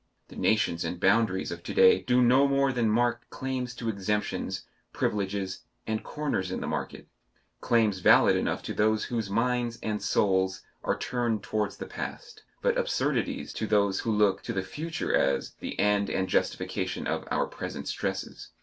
The nations and boundaries of to day do no more than mark claims to exemptions, privileges, and corners in the market claims valid enough to those whose minds and souls are turned towards the past, but absurdities to those who look to the future as the end and justification of our present stresses.